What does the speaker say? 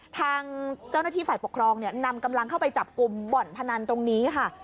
ทางเจ้าหน้าที่ฝ่ายปกครองนำกำลังเข้าไปจับกลุ่มบ่อนพนันตรงนี้ค่ะ